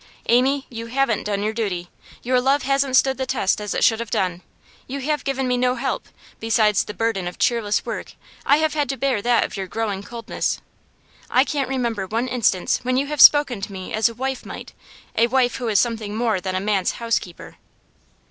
Amy, you haven't done your duty. Your love hasn't stood the test as it should have done. You have given me no help; besides the burden of cheerless work I have had to bear that of your growing coldness. I can't remember one instance when you have spoken to me as a wife might a wife who was something more than a man's housekeeper.